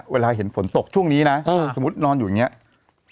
เวลาเห็นฝนตกช่วงนี้นะสมมุตินอนอยู่อย่างนี้